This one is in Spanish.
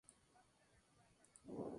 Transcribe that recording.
Doña Ana enseñó a Rafael las primeras letras.